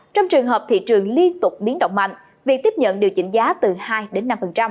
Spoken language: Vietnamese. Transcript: trong trường hợp thị trường liên tục biến động mạnh việc tiếp nhận điều chỉnh giá từ hai đến năm